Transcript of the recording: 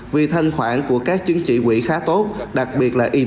vì thanh khoản của các trứng chỉ quỹ khá tốt đặc biệt là etf